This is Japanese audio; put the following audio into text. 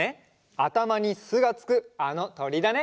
あたまに「す」がつくあのとりだね！